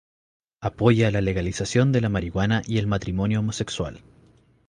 Apoya la legalización de la marihuana y el matrimonio homosexual.